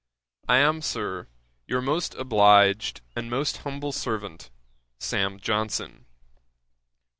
'I am, Sir, 'Your most obliged, 'And most humble servant, 'SAM. JOHNSON.'